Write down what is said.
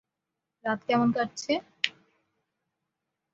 রাত কেমন কাটছে?